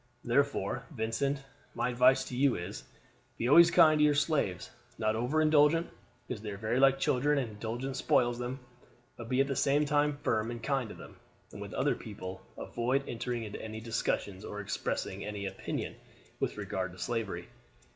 Therefore, Vincent, my advice to you is, be always kind to your slaves not over indulgent, because they are very like children and indulgence spoils them but be at the same time firm and kind to them, and with other people avoid entering into any discussions or expressing any opinion with regard to slavery.